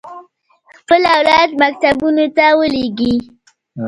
خپل اولاد مکتبونو ته ولېږي.